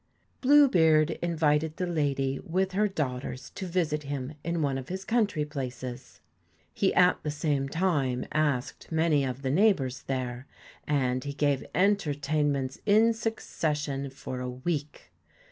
Blue beard invited the lady with her daughters to visit him in one of his country places. He at the same time asked many of the neighbours there, and he gave entertainments in succession for a week.